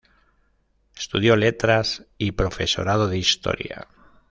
Estudió letras y profesorado de historia.